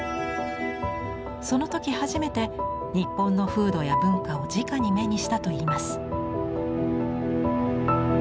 その時初めて日本の風土や文化をじかに目にしたといいます。